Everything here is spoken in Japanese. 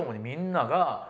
みんなが。